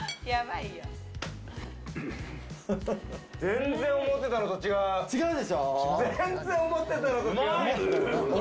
全然思ってたのと違う。